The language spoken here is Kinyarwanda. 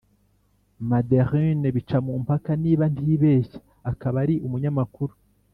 madeleine bicamumpaka, niba ntibeshya, akaba ari umunyamakuru